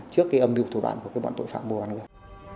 trước âm mưu thủ đoạn của bọn tội phạm mua bán người